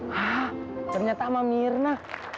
hah ternyata sama mirna